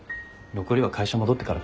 残りは会社戻ってからかな。